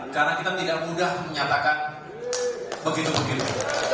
karena kita tidak mudah menyatakan begitu begitu